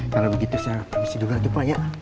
kalau begitu saya permisi dulu lah tuh pak ya